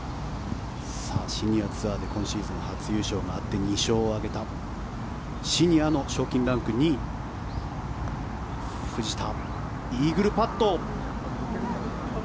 シニアツアーで今シーズン初優勝があって２勝を挙げたシニアの賞金ランク２位藤田、イーグルパット。